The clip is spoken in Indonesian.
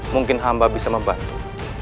mungkin hamba bisa membantu